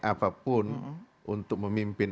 apapun untuk memimpin